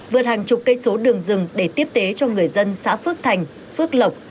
vượt hàng chục cây số đường rừng để tiếp tế cho người dân xã phước thành phước lộc